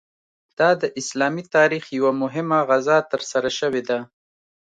دا د اسلامي تاریخ یوه مهمه غزا ترسره شوې ده.